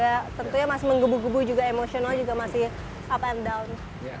karena masih muda tentunya masih menggebu gebu juga emosional juga masih up and down